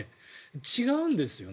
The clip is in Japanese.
違うんですよね。